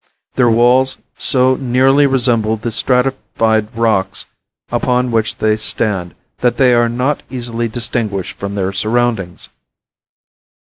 Their walls so nearly resemble the stratified rocks upon which they stand, that they are not easily distinguished from their surroundings.